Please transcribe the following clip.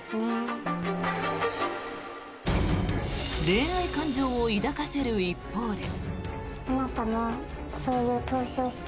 恋愛感情を抱かせる一方で。